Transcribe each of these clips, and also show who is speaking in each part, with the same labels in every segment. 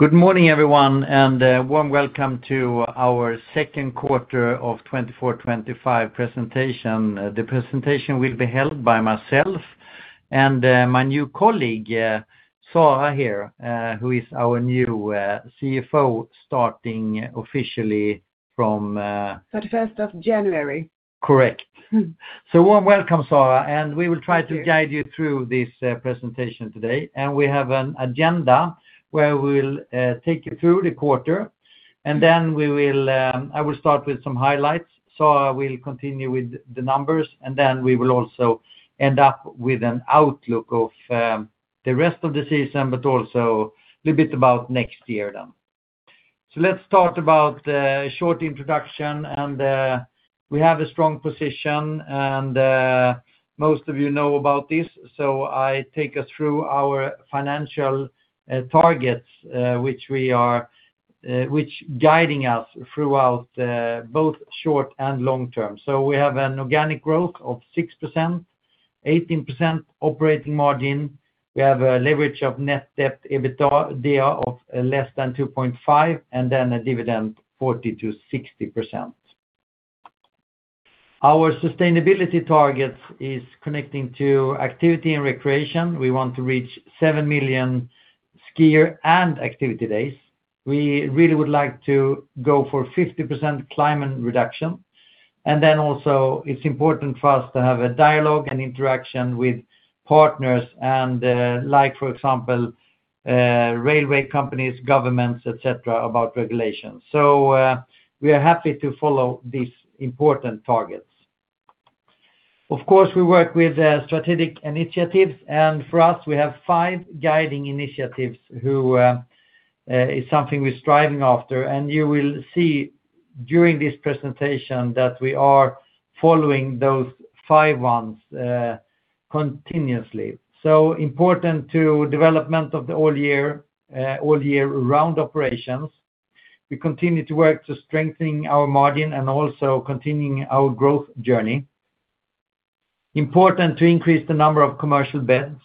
Speaker 1: Good morning everyone, and warm welcome to our second quarter 2024/2025 presentation. The presentation will be held by myself and my new colleague, Sara here, who is our new CFO starting officially from
Speaker 2: 21st of January.
Speaker 1: Correct. Warm welcome, Sara. We will try to guide you through this presentation today. We have an agenda where we'll take you through the quarter. I will start with some highlights. Sara will continue with the numbers, and then we will also end up with an outlook of the rest of the season, but also a little bit about next year then. Let's start with a short introduction, and we have a strong position, and most of you know about this. I take us through our financial targets, which guide us throughout both short and long term. We have an organic growth of 6%, 18% operating margin. We have a leverage of net debt to EBITDA of less than 2.5 and then a dividend 40%-60%. Our sustainability target is connecting to activity and recreation. We want to reach 7 million skier and activity days. We really would like to go for 50% climate reduction. Then also it's important for us to have a dialogue and interaction with partners and like for example, railway companies, governments, et cetera, about regulations. We are happy to follow these important targets. Of course, we work with strategic initiatives, and for us we have five guiding initiatives who is something we're striving after. You will see during this presentation that we are following those five ones continuously. Important to development of the all year round operations. We continue to work to strengthening our margin and also continuing our growth journey. Important to increase the number of commercial beds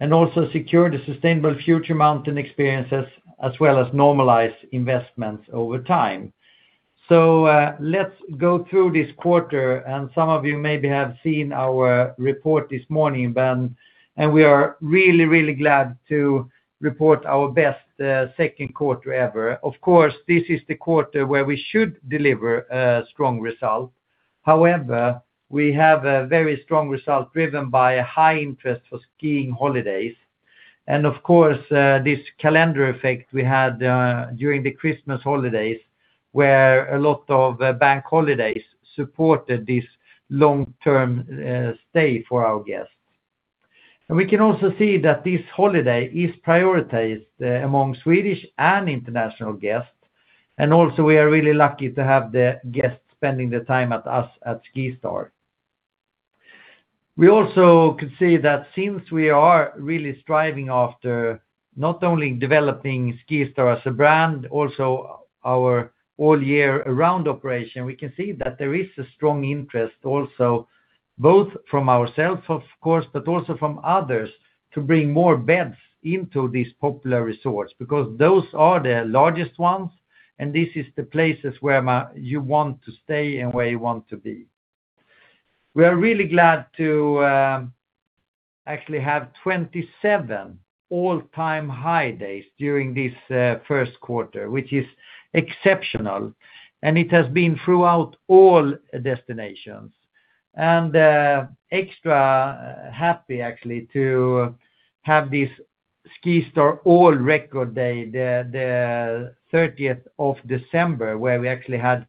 Speaker 1: and also secure the sustainable future mountain experiences, as well as normalize investments over time. Let's go through this quarter, and some of you maybe have seen our report this morning then, and we are really, really glad to report our best second quarter ever. Of course, this is the quarter where we should deliver a strong result. However, we have a very strong result driven by a high interest for skiing holidays. Of course, this calendar effect we had during the Christmas holidays, where a lot of bank holidays supported this long-term stay for our guests. We can also see that this holiday is prioritized among Swedish and international guests. We are really lucky to have the guests spending their time at us at SkiStar. We also can see that since we are really striving after not only developing SkiStar as a brand, also our all year round operation, we can see that there is a strong interest also, both from ourselves of course, but also from others to bring more beds into these popular resorts, because those are the largest ones and this is the places where you want to stay and where you want to be. We are really glad to actually have 27 all time high days during this first quarter, which is exceptional, and it has been throughout all destinations. Extra happy actually to have this SkiStar all record day, the thirtieth of December, where we actually had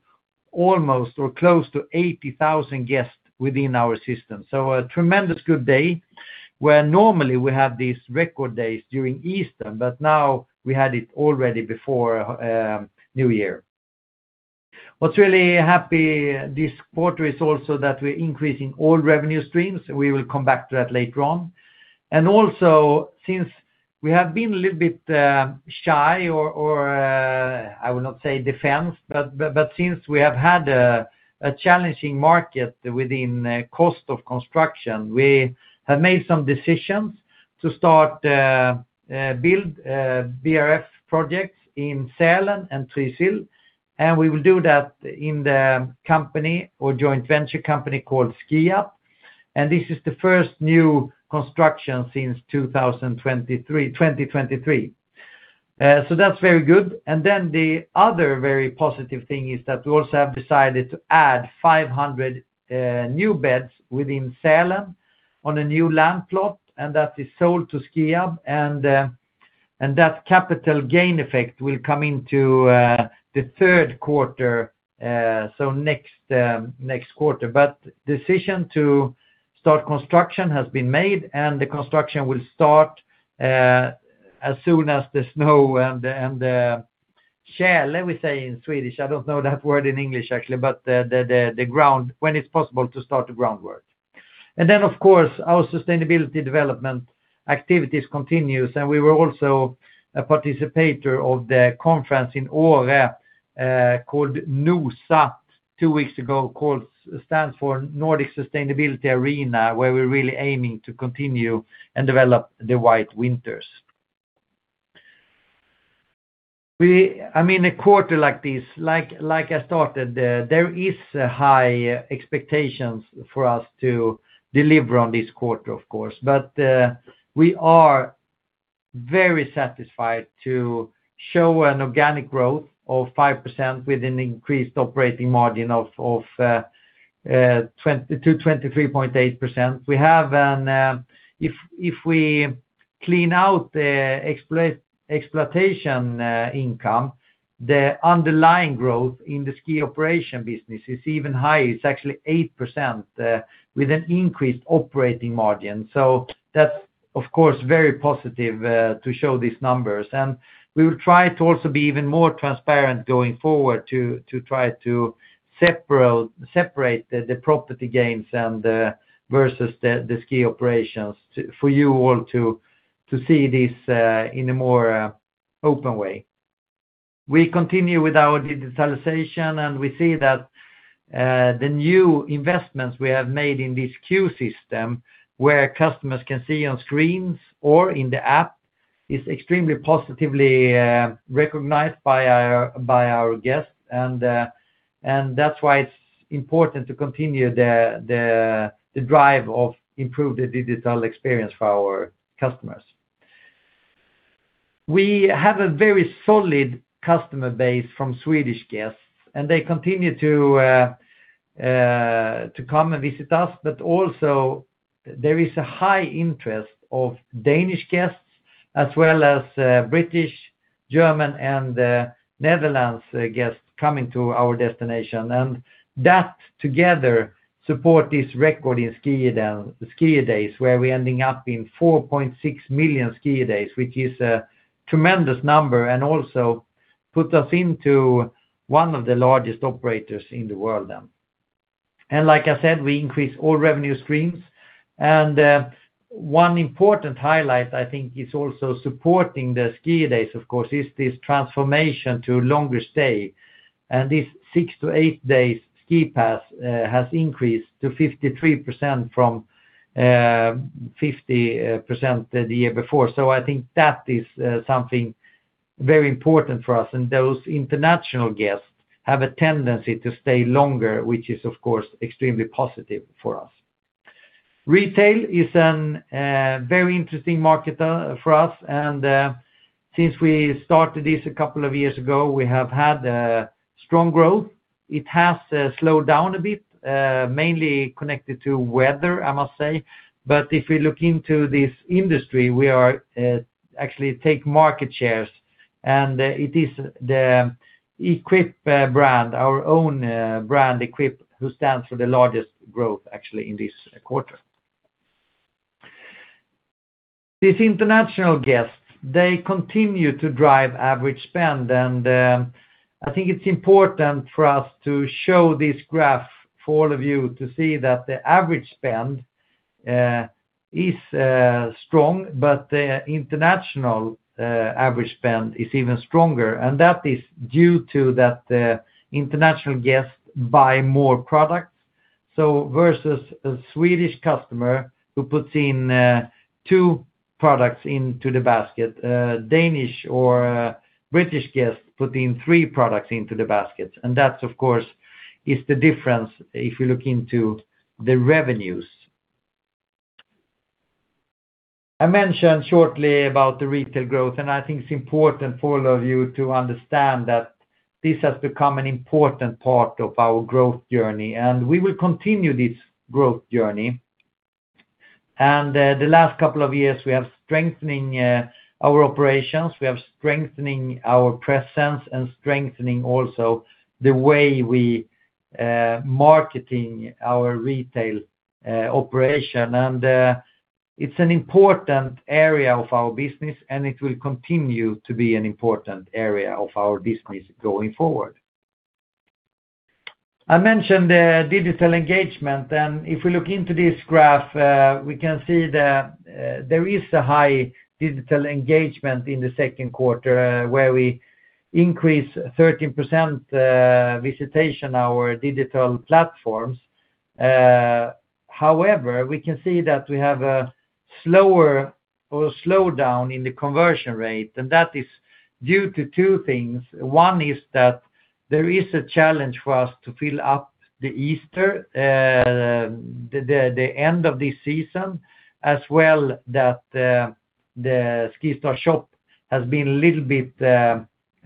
Speaker 1: almost or close to 80,000 guests within our system. A tremendous good day where normally we have these record days during Easter, but now we had it already before New Year. What's really happy this quarter is also that we're increasing all revenue streams. We will come back to that later on. Also since we have been a little bit shy, or I would not say defensive, but since we have had a challenging market within cost of construction, we have made some decisions to start to build BRF projects in Sälen and Trysil, and we will do that in the company or joint venture company called Skiab. This is the first new construction since 2023. That's very good. The other very positive thing is that we also have decided to add 500 new beds within Sälen on a new land plot, and that is sold to Skiab. That capital gain effect will come into the third quarter, so next quarter. Decision to start construction has been made and the construction will start as soon as the snow and the käl, we say in Swedish. I don't know that word in English actually, but the ground when it's possible to start the groundwork. Of course our sustainability development activities continues. We were also a participant of the conference in Åre, called NoSA two weeks ago. Stands for Nordic Sustainability Arena, where we're really aiming to continue and develop the white winters. I mean, a quarter like this, like I started, there is a high expectations for us to deliver on this quarter, of course. We are very satisfied to show an organic growth of 5% with an increased operating margin of 20%-23.8%. We have an, if we clean out the exploitation income, the underlying growth in the ski operation business is even higher. It's actually 8% with an increased operating margin. That's of course very positive to show these numbers. We will try to also be even more transparent going forward to try to separate the property gains and versus the ski operations for you all to see this in a more open way. We continue with our digitalization, and we see that the new investments we have made in this queue system where customers can see on screens or in the app is extremely positively recognized by our guests. That's why it's important to continue the drive to improve the digital experience for our customers. We have a very solid customer base from Swedish guests, and they continue to come and visit us. Also there is a high interest of Danish guests as well as British, German, and Netherlands guests coming to our destination. That together support this record in ski days, where we're ending up in 4.6 million ski days, which is a tremendous number and also puts us into one of the largest operators in the world then. Like I said, we increase all revenue streams. One important highlight I think is also supporting the ski days, of course, is this transformation to longer stay. This six to eight days ski pass has increased to 53% from 50% the year before. I think that is something very important for us. Those international guests have a tendency to stay longer, which is of course extremely positive for us. Retail is a very interesting market for us. Since we started this a couple of years ago, we have had strong growth. It has slowed down a bit, mainly connected to weather, I must say. If we look into this industry, we are actually taking market shares. It is the EQPE brand, our own brand, which stands for the largest growth actually in this quarter. These international guests, they continue to drive average spend. I think it's important for us to show this graph for all of you to see that the average spend is strong, but the international average spend is even stronger. That is due to that the international guests buy more products. Versus a Swedish customer who puts in two products into the basket, Danish or British guests put in three products into the basket. That of course is the difference if you look into the revenues. I mentioned shortly about the retail growth, and I think it's important for all of you to understand that this has become an important part of our growth journey, and we will continue this growth journey. The last couple of years, we have strengthened our operations, our presence and also the way we market our retail operation. It's an important area of our business, and it will continue to be an important area of our business going forward. I mentioned the digital engagement, and if we look at this graph, we can see that there is a high digital engagement in the second quarter, where we increased visitation to our digital platforms 13%. However, we can see that we have a slowdown in the conversion rate, and that is due to two things. One is that there is a challenge for us to fill up the Easter, the end of this season, as well that, the SkiStar Shop has been a little bit,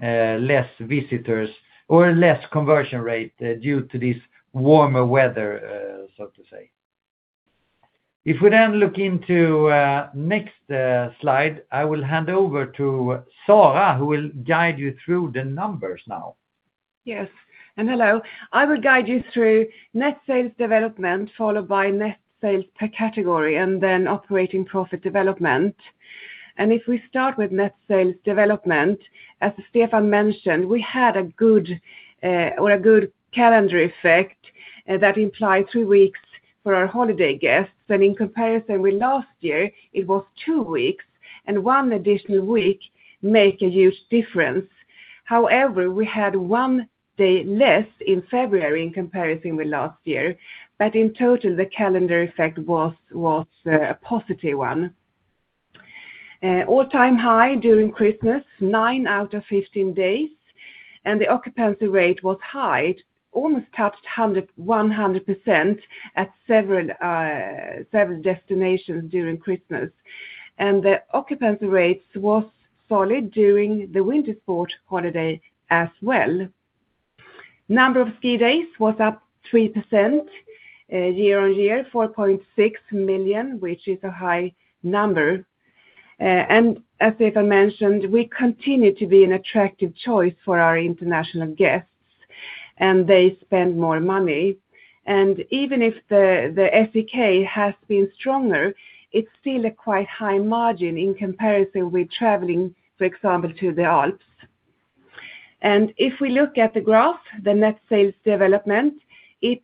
Speaker 1: less visitors or less conversion rate, due to this warmer weather, so to say. If we then look into next slide, I will hand over to Sara, who will guide you through the numbers now.
Speaker 2: Yes. Hello. I will guide you through net sales development, followed by net sales per category and then operating profit development. If we start with net sales development, as Stefan mentioned, we had a good calendar effect that implied two weeks for our holiday guests. In comparison with last year, it was two weeks, and one additional week make a huge difference. However, we had one day less in February in comparison with last year. In total, the calendar effect was a positive one. All-time high during Christmas, nine out of 15 days, and the occupancy rate was high, almost touched 100% at several destinations during Christmas. The occupancy rates was solid during the winter sport holiday as well. Number of ski days was up 3%, year-over-year, 4.6 million, which is a high number. As Stefan mentioned, we continue to be an attractive choice for our international guests, and they spend more money. Even if the SEK has been stronger, it's still a quite high margin in comparison with traveling, for example, to the Alps. If we look at the graph, the net sales development, the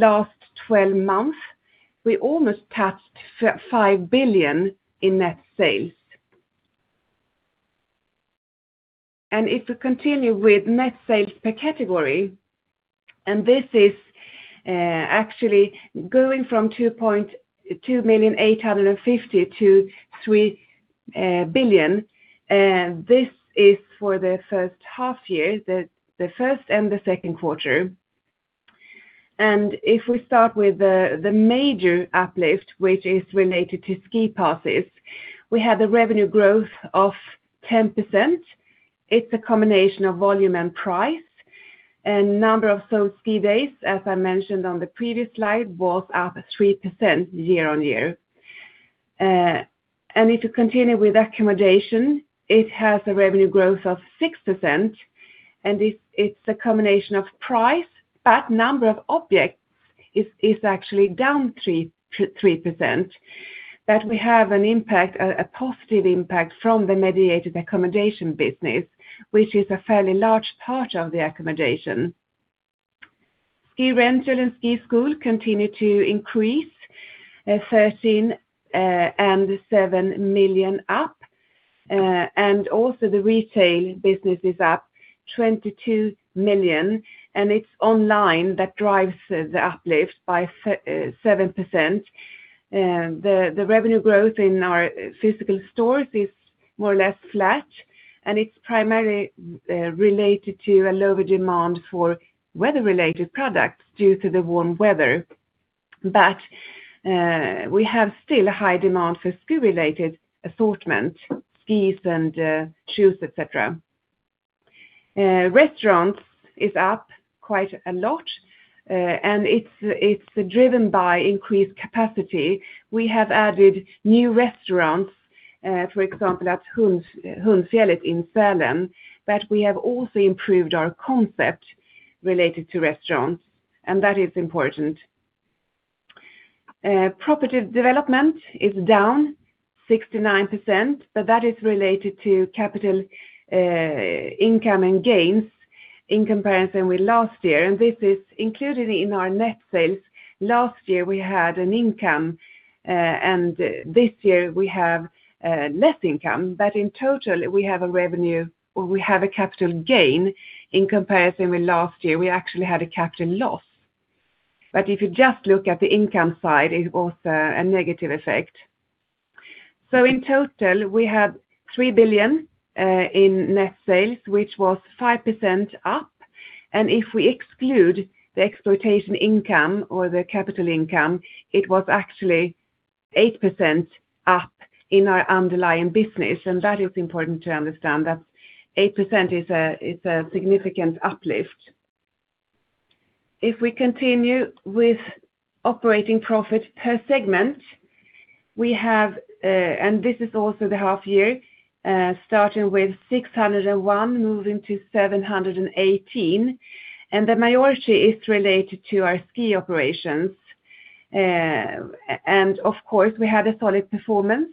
Speaker 2: last twelve months, we almost touched 5 billion in net sales. If we continue with net sales per category, this is actually going from 2.285 billion-3 billion, this is for the first half year, the first and the second quarter. If we start with the major uplift, which is related to ski passes, we have the revenue growth of 10%. It's a combination of volume and price. Number of sold ski days, as I mentioned on the previous slide, was up 3% year-on-year. If you continue with accommodation, it has a revenue growth of 6%, and it's a combination of price, but number of objects is actually down 3%. We have a positive impact from the mediated accommodation business, which is a fairly large part of the accommodation. Ski rental and ski school continued to increase, 13 million and 7 million up. Also the retail business is up 22 million, and it's online that drives the uplift by 7%. The revenue growth in our physical stores is more or less flat, and it's primarily related to a lower demand for weather-related products due to the warm weather. We have still a high demand for ski-related assortment, skis and shoes, et cetera. Restaurants is up quite a lot, and it's driven by increased capacity. We have added new restaurants, for example, at Hundfjället in Sälen, but we have also improved our concept related to restaurants, and that is important. Property development is down 69%, but that is related to capital income and gains in comparison with last year. This is included in our net sales. Last year, we had an income, and this year we have less income. In total, we have a revenue or we have a capital gain. In comparison with last year, we actually had a capital loss. If you just look at the income side, it was a negative effect. In total, we have 3 billion in net sales, which was 5% up. If we exclude the exploitation income or the capital income, it was actually 8% up in our underlying business. That is important to understand that 8% is a significant uplift. If we continue with operating profit per segment, this is also the half year starting with 601 million, moving to 718 million, and the majority is related to our ski operations. Of course, we had a solid performance.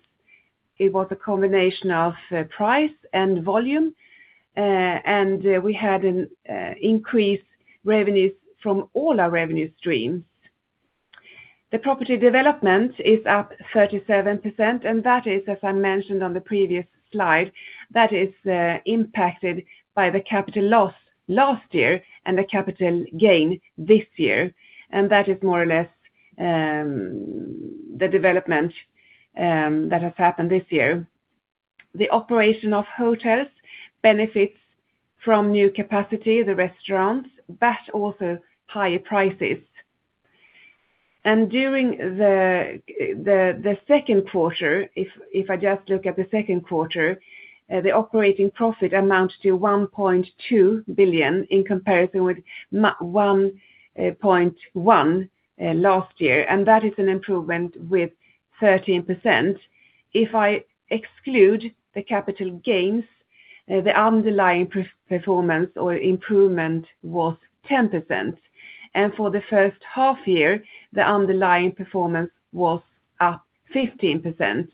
Speaker 2: It was a combination of price and volume, and we had an increase in revenues from all our revenue streams. The property development is up 37%, and that is, as I mentioned on the previous slide, that is impacted by the capital loss last year and the capital gain this year. That is more or less the development that has happened this year. The operation of hotels benefits from new capacity, the restaurants, but also higher prices. During the second quarter, if I just look at the second quarter, the operating profit amounts to 1.2 billion in comparison with 1.1 billion last year. That is an improvement with 13%. If I exclude the capital gains, the underlying performance or improvement was 10%. For the first half year, the underlying performance was up 15%.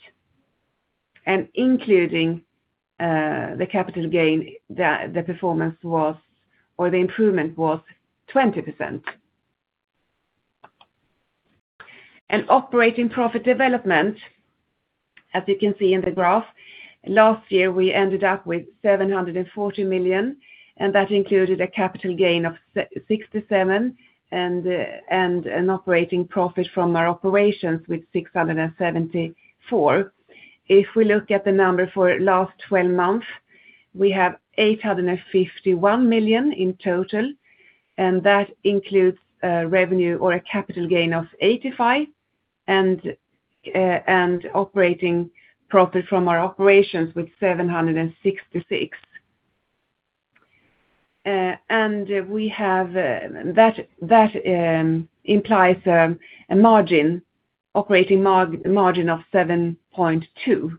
Speaker 2: Including the capital gain, the performance was or the improvement was 20%. Operating profit development, as you can see in the graph. Last year, we ended up with 740 million, and that included a capital gain of 67 million and an operating profit from our operations with 674 million. If we look at the number for last twelve months, we have 851 million in total, and that includes revenue or a capital gain of 85 million and operating profit from our operations with 766 million. That implies a operating margin of 7.2%.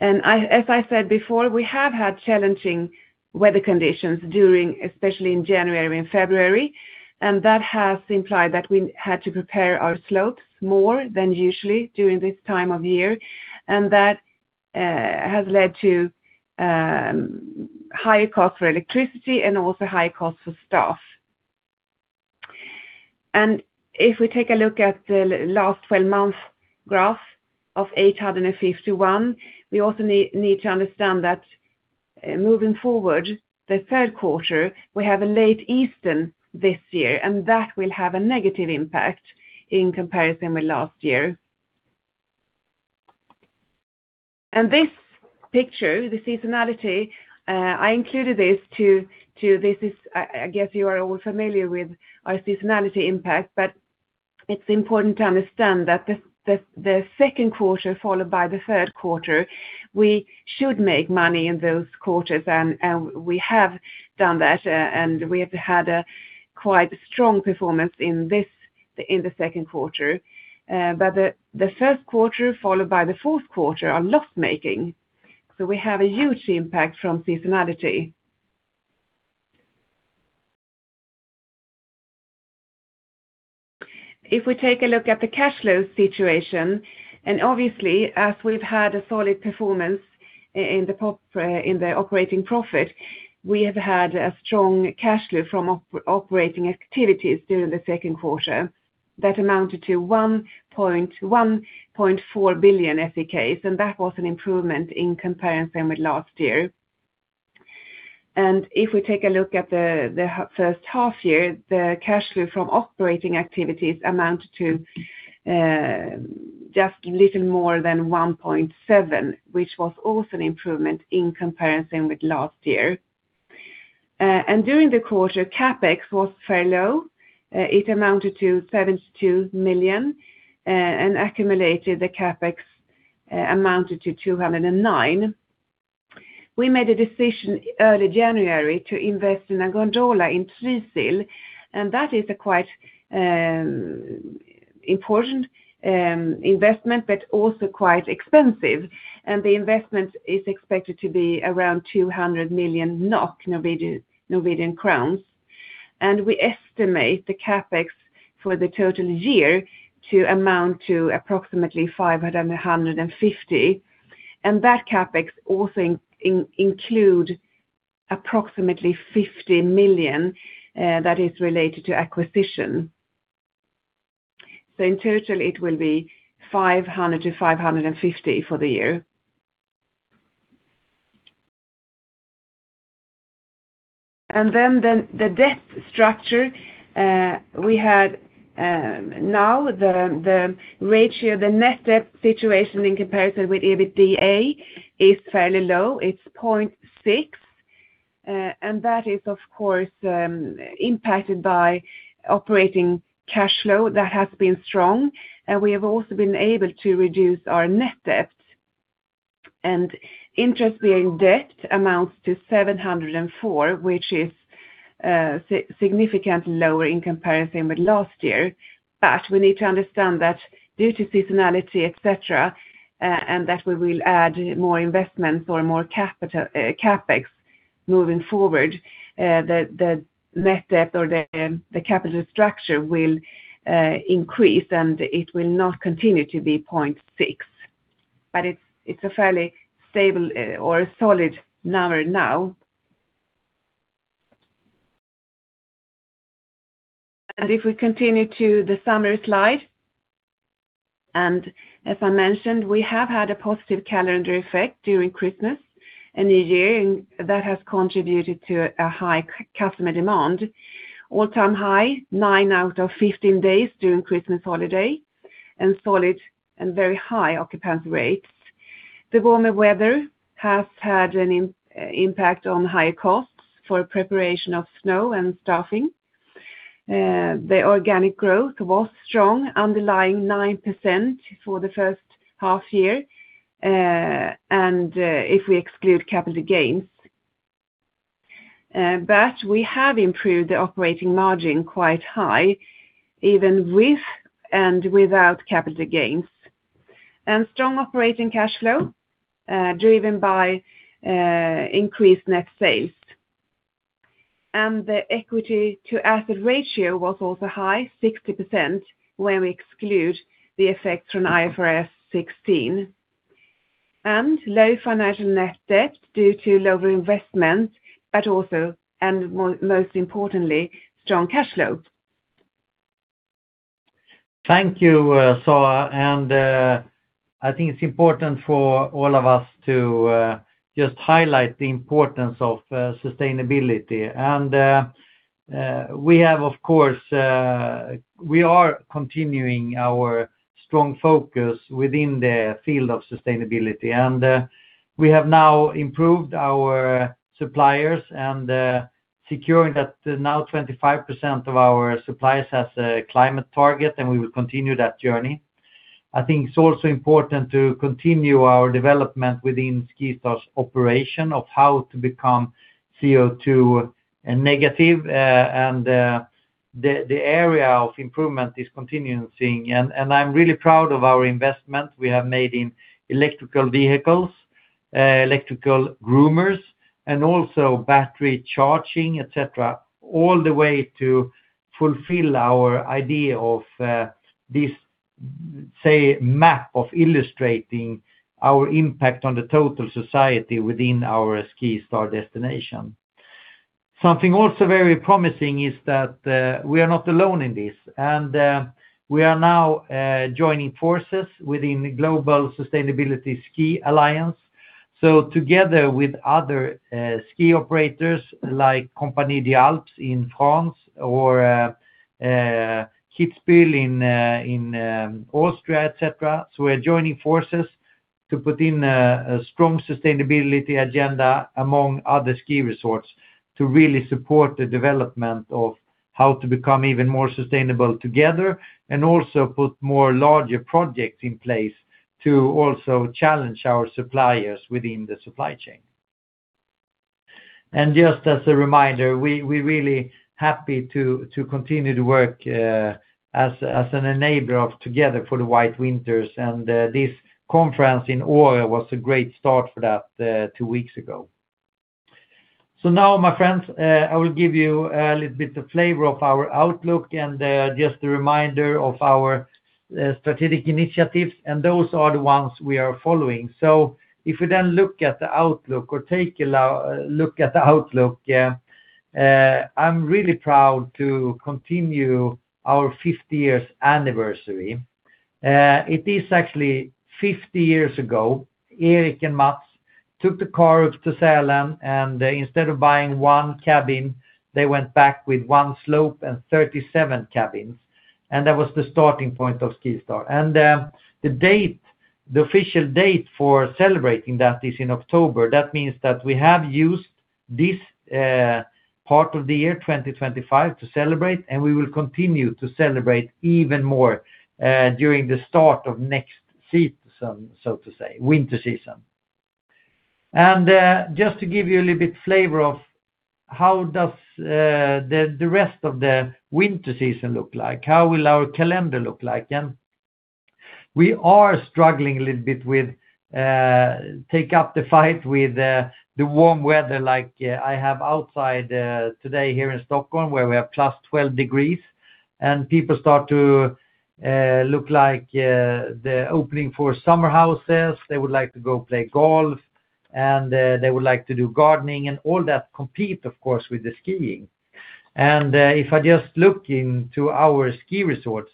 Speaker 2: As I said before, we have had challenging weather conditions during especially in January and February, and that has implied that we had to prepare our slopes more than usually during this time of year. That has led to higher costs for electricity and also higher costs for staff. If we take a look at the last 12-month graph of 851 million, we also need to understand that, moving forward, the third quarter, we have a late Easter this year, and that will have a negative impact in comparison with last year. This picture, the seasonality, I included this. This is, I guess you are all familiar with our seasonality impact, but it's important to understand that the second quarter followed by the third quarter, we should make money in those quarters and we have done that, and we have had a quite strong performance in the second quarter. The first quarter followed by the fourth quarter are loss-making. We have a huge impact from seasonality. If we take a look at the cash flow situation. Obviously, as we've had a solid performance in the operating profit, we have had a strong cash flow from operating activities during the second quarter. That amounted to 1.4 billion, and that was an improvement in comparison with last year. If we take a look at the first half year, the cash flow from operating activities amount to just a little more than 1.7 million, which was also an improvement in comparison with last year. During the quarter, CapEx was fairly low. It amounted to 72 million, and accumulated CapEx amounted to 209 million. We made a decision early January to invest in a gondola in Trysil, and that is a quite important investment, but also quite expensive. The investment is expected to be around 200 million NOK. We estimate the CapEx for the total year to amount to approximately 650 million. That CapEx also include approximately 50 million that is related to acquisition. In total, it will be 500 million-550 million for the year. Then the debt structure, we had now the ratio, the net debt situation in comparison with EBITDA is fairly low. It's 0.6. That is of course impacted by operating cash flow that has been strong. We have also been able to reduce our net debt. Interest bearing debt amounts to 704 million, which is significant lower in comparison with last year. We need to understand that due to seasonality, et cetera, and that we will add more investments or more capital, CapEx moving forward, the net debt or the capital structure will increase, and it will not continue to be 0.6. It's a fairly stable or solid number now. If we continue to the summary slide, as I mentioned, we have had a positive calendar effect during Christmas and New Year, and that has contributed to a high customer demand. All-time high, nine out of 15 days during Christmas holiday, and solid and very high occupancy rates. The warmer weather has had an impact on higher costs for preparation of snow and staffing. The organic growth was strong, underlying 9% for the first half year. If we exclude capital gains. We have improved the operating margin quite high even with and without capital gains. Strong operating cash flow, driven by increased net sales. The equity to asset ratio was also high, 60%, when we exclude the effects from IFRS 16. Low financial net debt due to lower investment, but also, and most importantly, strong cash flow.
Speaker 1: Thank you, Sara. I think it's important for all of us to just highlight the importance of sustainability. We are continuing our strong focus within the field of sustainability. We have now improved our suppliers and securing that now 25% of our suppliers has a climate target, and we will continue that journey. I think it's also important to continue our development within SkiStar's operation of how to become CO2 negative, and the area of improvement is continuing. I'm really proud of our investment we have made in electrical vehicles, electrical groomers, and also battery charging, et cetera, all the way to fulfill our idea of this say map of illustrating our impact on the total society within our SkiStar destination. Something also very promising is that we are not alone in this. We are now joining forces within the Global Sustainability Ski Alliance. Together with other ski operators like Compagnie des Alpes in France or Kitzbühel in Austria, et cetera. We're joining forces to put in a strong sustainability agenda among other ski resorts to really support the development of how to become even more sustainable together and also put more larger projects in place to also challenge our suppliers within the supply chain. Just as a reminder, we really happy to continue to work as an enabler of Together for the White Winters. This conference in Åre was a great start for that two weeks ago. Now, my friends, I will give you a little bit of flavor of our outlook and, just a reminder of our, strategic initiatives, and those are the ones we are following. If we then look at the outlook or take a look at the outlook, I'm really proud to continue our 50 years anniversary. It is actually 50 years ago, Erik and Mats took the car up to Sälen, and instead of buying one cabin, they went back with one slope and 37 cabins, and that was the starting point of SkiStar. The date, the official date for celebrating that is in October. That means that we have used this, part of the year 2025 to celebrate, and we will continue to celebrate even more, during the start of next season, so to say, winter season. Just to give you a little bit of flavor of how the rest of the winter season look like, how will our calendar look like. We are struggling a little bit with taking up the fight with the warm weather like I have outside today here in Stockholm, where we have plus 12 degrees and people start to look like they're opening up their summer houses. They would like to go play golf and they would like to do gardening. All that compete, of course, with the skiing. If I just look into our ski resorts,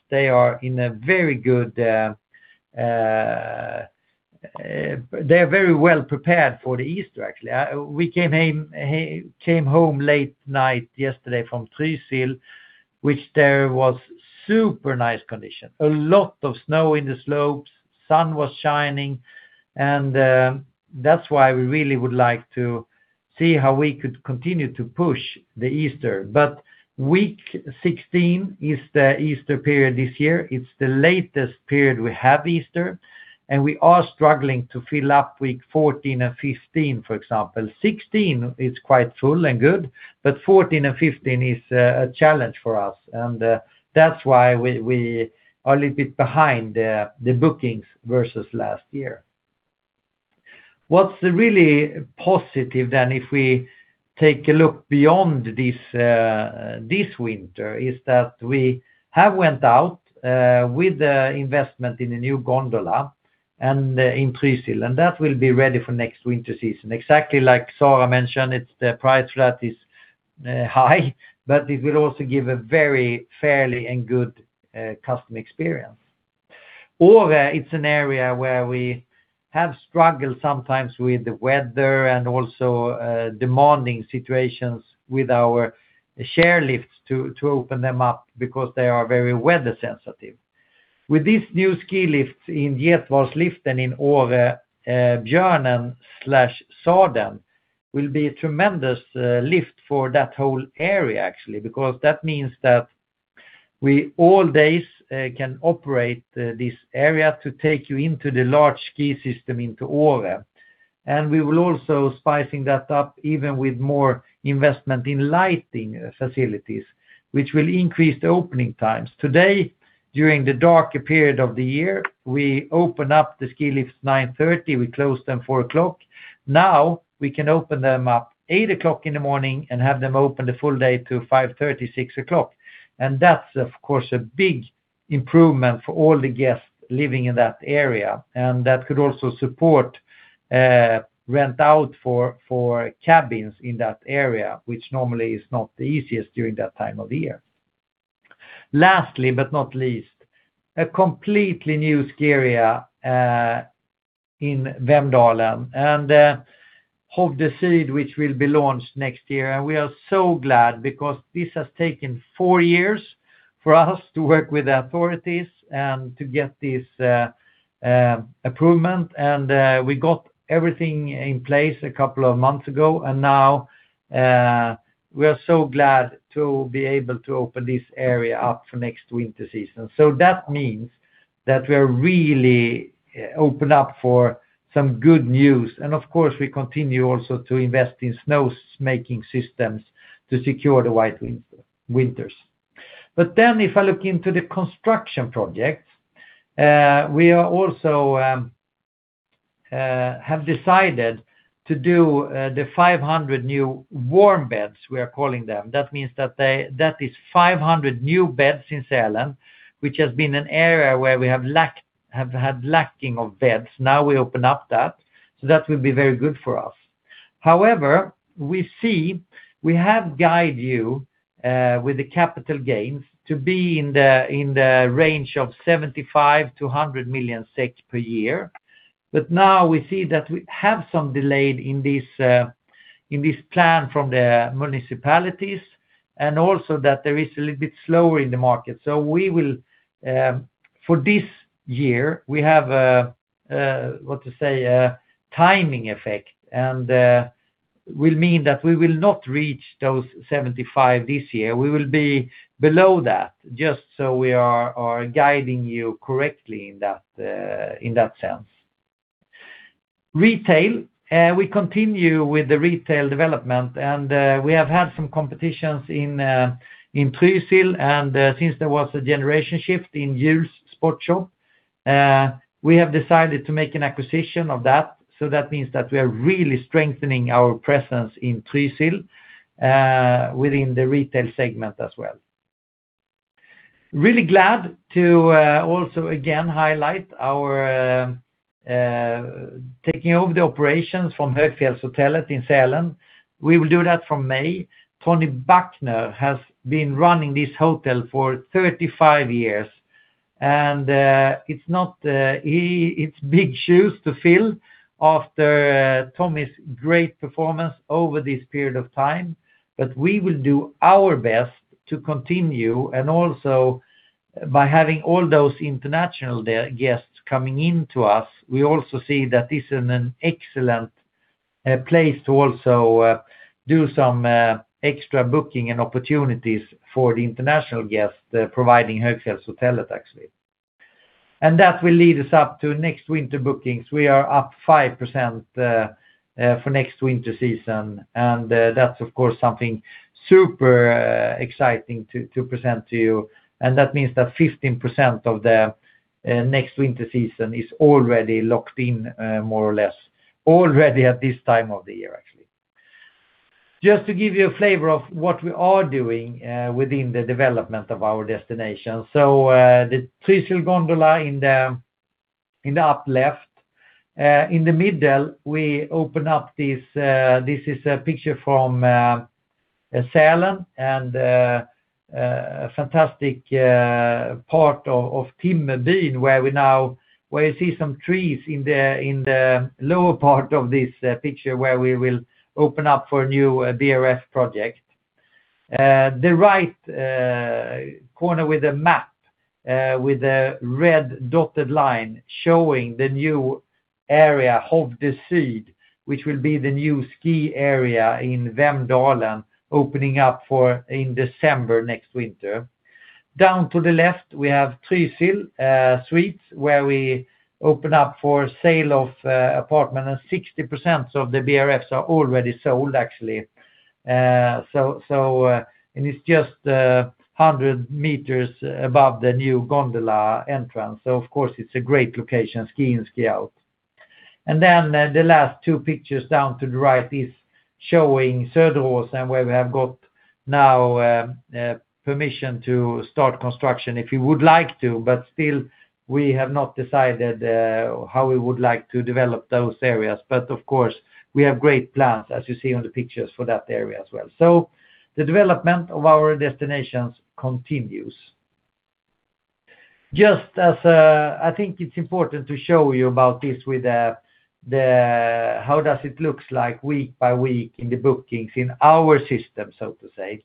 Speaker 1: they're very well prepared for Easter, actually. We came home late night yesterday from Trysil, which there was super nice condition, a lot of snow in the slopes, sun was shining. That's why we really would like to see how we could continue to push the Easter. Week 16 is the Easter period this year. It's the latest period we have Easter, and we are struggling to fill up week 14 and 15, for example. 16 is quite full and good, but 14 and 15 is a challenge for us. That's why we are a little bit behind the bookings versus last year. What's really positive then, if we take a look beyond this winter, is that we have went out with the investment in a new gondola in Trysil, and that will be ready for next winter season. Exactly like Sara mentioned, it's the price flat is high, but it will also give a very fairly and good customer experience. Åre, it's an area where we have struggled sometimes with the weather and also demanding situations with our chair lifts to open them up because they are very weather sensitive. With these new ski lifts in Stendalsliften in Åre, Björnen/Sadeln will be a tremendous lift for that whole area actually, because that means that we all days can operate this area to take you into the large ski system into Åre. We will also spicing that up even with more investment in lighting facilities, which will increase the opening times. Today, during the darker period of the year, we open up the ski lifts 9:30 A.M., we close them 4:00 P.M. We can open them up at 8:00 A.M. and have them open the full day to 5:30 P.M., 6:00 P.M. That's of course a big improvement for all the guests living in that area. That could also support rent out for cabins in that area, which normally is not the easiest during that time of the year. Lastly but not least, a completely new area in Vemdalen and Hovde Syd, which will be launched next year. We are so glad because this has taken four years for us to work with the authorities and to get this approval. We got everything in place a couple of months ago, and now we are so glad to be able to open this area up for next winter season. That means that we're really opening up for some good news. Of course, we continue also to invest in snow-making systems to secure the white winters. If I look into the construction projects, we have also decided to do the 500 new warm beds we are calling them. That means that is 500 new beds in Sälen, which has been an area where we have had a lack of beds. Now we open up that, so that will be very good for us. However, we have guided you with the capital gains to be in the range of 75 million-100 million per year. Now we see that we have some delays in this plan from the municipalities and also that there is a little bit slower in the market. We will for this year have a timing effect, and will mean that we will not reach those 75 this year. We will be below that, just so we are guiding you correctly in that sense. Retail. We continue with the retail development, and we have had some competitions in Trysil. Since there was a generational shift in Juls Sportshop, we have decided to make an acquisition of that. That means that we are really strengthening our presence in Trysil within the retail segment as well. Really glad to also again highlight our taking over the operations from Sälens Högfjällshotell in Sälen. We will do that from May. Thommy Backner has been running this hotel for 35 years, and it's big shoes to fill after Tony's great performance over this period of time. We will do our best to continue. Also by having all those international guests coming into us, we also see that this is an excellent place to also do some extra booking and opportunities for the international guest providing Sälens Högfjällshotell actually. That will lead us up to next winter bookings. We are up 5% for next winter season, and that's of course something super exciting to present to you. That means that 15% of the next winter season is already locked in, more or less already at this time of the year, actually. Just to give you a flavor of what we are doing within the development of our destination. The Trysil gondola in the upper left. In the middle, this is a picture from Sälen and fantastic part of Timmerbyn, where you see some trees in the lower part of this picture, where we will open up for a new BRF project. The right corner with a map with a red dotted line showing the new area Hovde Syd, which will be the new ski area in Vemdalen, opening up for in December next winter. Down to the left, we have Trysil Suites, where we open up for sale of apartment and 60% of the BRFs are already sold, actually. So and it's just 100 meters above the new gondola entrance. Of course it's a great location, ski in, ski out. Then the last two pictures down to the right is showing Söderåsen, where we have got now permission to start construction if we would like to. Still we have not decided how we would like to develop those areas. Of course we have great plans as you see on the pictures for that area as well. The development of our destinations continues. Just as I think it's important to show you about this with the how does it looks like week by week in the bookings in our system, so to say.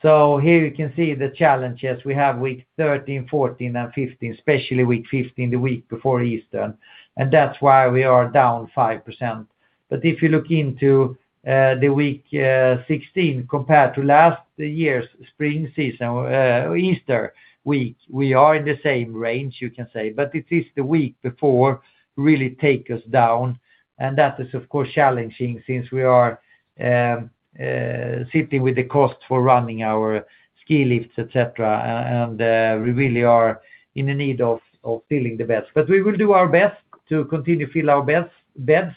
Speaker 1: So here you can see the challenges we have week 13, 14, and 15, especially week 15, the week before Easter, and that's why we are down 5%. But if you look into the week 16 compared to last year's spring season, Easter week, we are in the same range, you can say, but it is the week before really take us down, and that is of course challenging since we are sitting with the costs for running our ski lifts, et cetera. We really are in the need of filling the beds. We will do our best to continue to fill our beds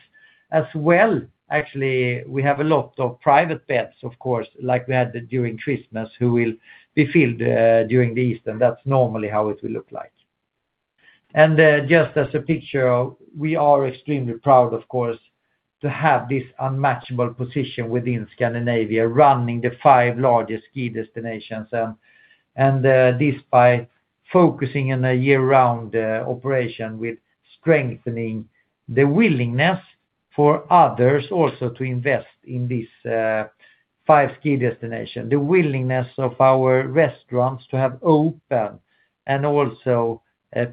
Speaker 1: as well. Actually, we have a lot of private beds of course, like we had during Christmas, who will be filled during Easter. That's normally how it will look like. Just as a picture, we are extremely proud, of course, to have this unmatchable position within Scandinavia running the five largest ski destinations and this by focusing in a year-round operation with strengthening the willingness for others also to invest in this five ski destination. The willingness of our restaurants to have open and also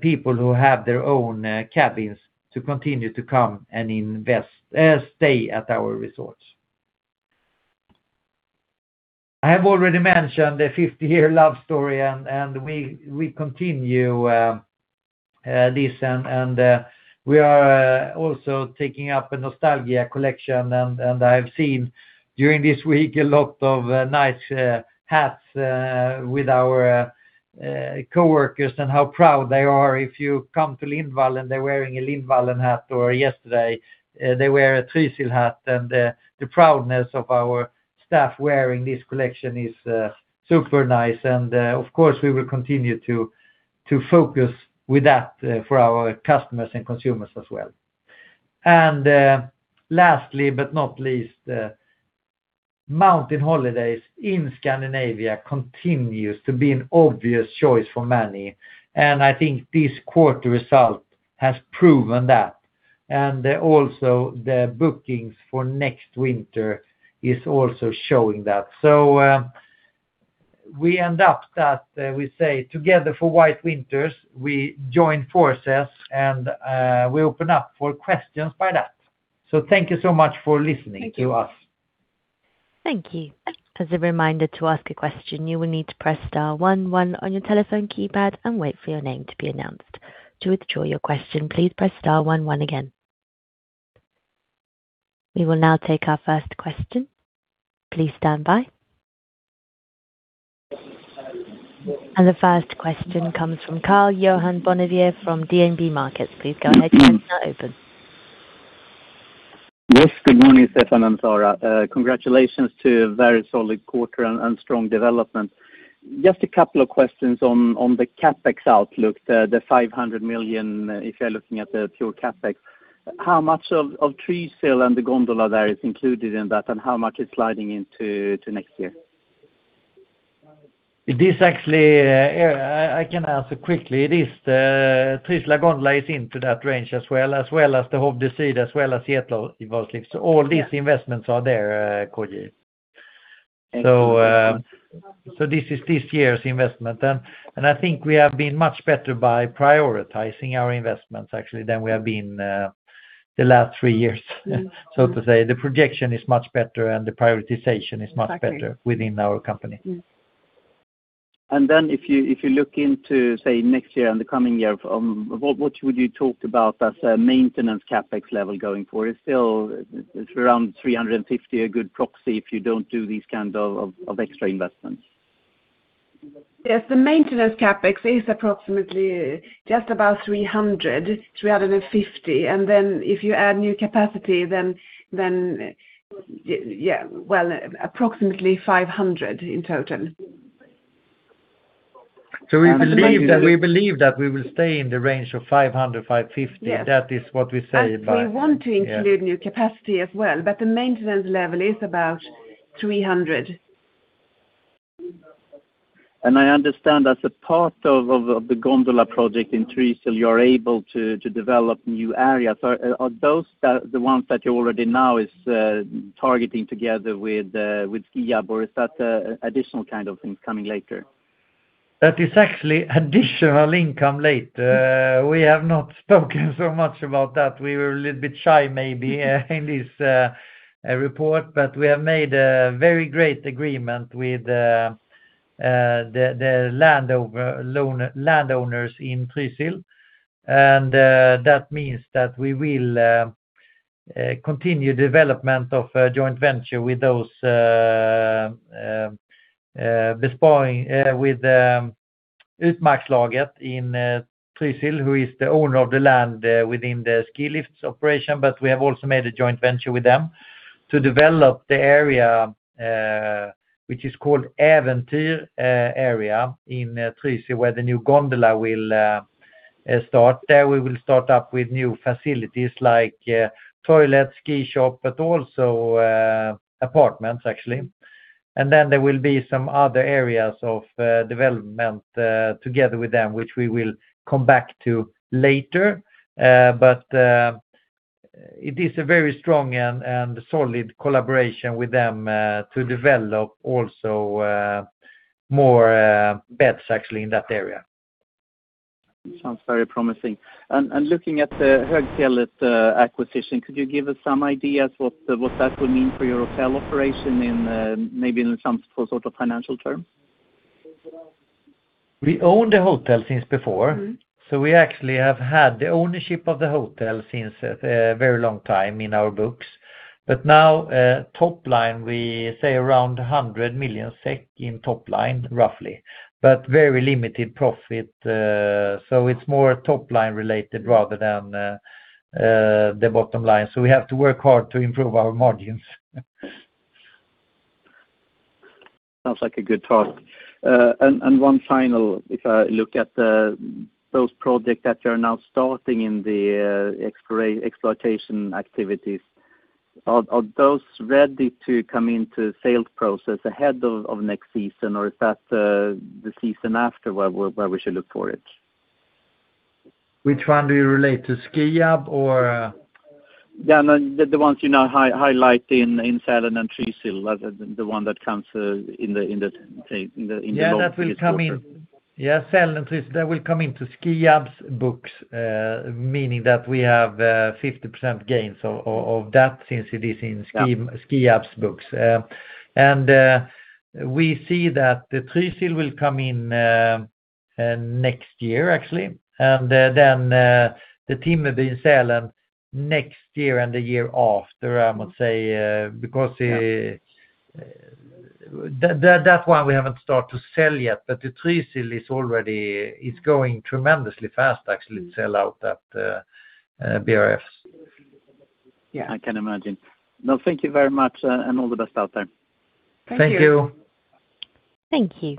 Speaker 1: people who have their own cabins to continue to come and invest, stay at our resorts. I have already mentioned the 50-year love story and we continue this and we are also taking up a nostalgia collection and I've seen during this week a lot of nice hats with our coworkers and how proud they are if you come to Lindvallen. They're wearing a Lindvallen hat, or yesterday they wear a Trysil hat. The proudness of our staff wearing this collection is super nice. Of course, we will continue to focus with that for our customers and consumers as well. Lastly but not least, mountain holidays in Scandinavia continues to be an obvious choice for many. I think this quarter result has proven that. Also the bookings for next winter is also showing that. We end up that we say Together for the White Winters, we join forces and, we open up for questions by that. Thank you so much for listening to us.
Speaker 3: Thank you. As a reminder to ask a question, you will need to press star 11 on your telephone keypad and wait for your name to be announced. To withdraw your question, please press star 11 again. We will now take our first question. Please stand by. The first question comes from Karl-Johan Bonnevier from DNB Markets. Please go ahead. Your line is now open.
Speaker 4: Yes. Good morning, Stefan and Sara. Congratulations to a very solid quarter and strong development. Just a couple of questions on the CapEx outlook, the 500 million, if you're looking at the pure CapEx. How much of Trysil and the gondola there is included in that, and how much is sliding into to next year?
Speaker 1: It is actually. I can answer quickly. It is the Trysil gondola is into that range as well, as well as the Hovde Syd as well as Sadellexpressen in Hemsedal. All these investments are there, KJ.
Speaker 4: Thank you.
Speaker 1: This is this year's investment. I think we have been much better by prioritizing our investments actually than we have been, the last three years, so to say. The projection is much better and the prioritization is much better.
Speaker 2: Exactly.
Speaker 1: Within our company.
Speaker 2: Mm-hmm.
Speaker 4: If you look into, say, next year and the coming year, what would you talk about as a maintenance CapEx level going forward? Is Trysil around 350 million a good proxy if you don't do these kind of extra investments?
Speaker 2: Yes. The maintenance CapEx is approximately just about 350 million. If you add new capacity, well, approximately 500 million in total.
Speaker 1: We believe that.
Speaker 4: And my-
Speaker 1: We believe that we will stay in the range of 500 million-550 million.
Speaker 2: Yes.
Speaker 1: That is what we say.
Speaker 2: We want to include new capacity as well, but the maintenance level is about 300 million.
Speaker 4: I understand as a part of the gondola project in Trysil you're able to develop new areas. Are those the ones that you already know is targeting together with Skiab or is that additional kind of things coming later?
Speaker 1: That is actually additional income lately. We have not spoken so much about that. We were a little bit shy maybe in this report, but we have made a very great agreement with the landowners in Trysil. That means that we will continue development of a joint venture with those with Trysilfjell Utmarkslag in Trysil who is the owner of the land within the ski lifts operation. We have also made a joint venture with them to develop the area which is called Eventyr area in Trysil, where the new gondola will start. There we will start up with new facilities like toilet, ski shop, but also apartments, actually. Then there will be some other areas of development together with them, which we will come back to later. It is a very strong and solid collaboration with them to develop also more beds actually in that area.
Speaker 4: Sounds very promising. Looking at the Sälens Högfjällshotell acquisition, could you give us some ideas what that will mean for your hotel operation in, maybe in some sort of financial terms?
Speaker 1: We own the hotel since before.
Speaker 2: Mm-hmm.
Speaker 1: We actually have had the ownership of the hotel since a very long time in our books. Now, top line, we say around 100 million SEK in top line, roughly. Very limited profit, so it's more top line related rather than the bottom line. We have to work hard to improve our margins.
Speaker 4: Sounds like a good talk. One final. If I look at those projects that you're now starting in the exploitation activities, are those ready to come into sales process ahead of next season? Or is that the season after where we should look for it?
Speaker 1: Which one do you relate to? Skiab or.
Speaker 4: Yeah, no, the ones you know, highlight in Sälen and Trysil. The one that comes in the
Speaker 1: Yeah, that will come in. Yeah, Sälen and Trysil that will come into Skiab's books. Meaning that we have 50% gains of that since it is in Skiab's books. We see that the Trysil will come in next year actually, and then the Timmerbyn and Sälen next year and the year after, I would say.
Speaker 4: Yeah
Speaker 1: That one we haven't started to sell yet. The Trysil is already going tremendously fast actually to sell out that BRFs.
Speaker 4: Yeah, I can imagine. No, thank you very much, and all the best out there.
Speaker 1: Thank you.
Speaker 3: Thank you.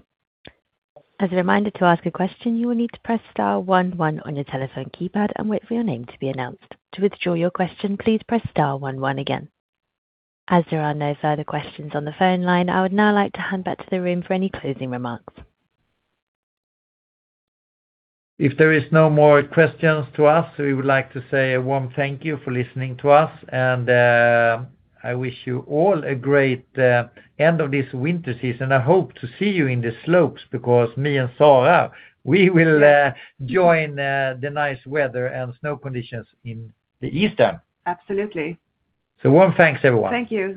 Speaker 3: As a reminder to ask a question, you will need to press star one one on your telephone keypad and wait for your name to be announced. To withdraw your question, please press star one one again. As there are no further questions on the phone line, I would now like to hand back to the room for any closing remarks.
Speaker 1: If there is no more questions to ask, we would like to say a warm thank you for listening to us. I wish you all a great end of this winter season. I hope to see you on the slopes because me and Sara, we will join the nice weather and snow conditions in the eastern. Absolutely. Warm thanks everyone. Thank you.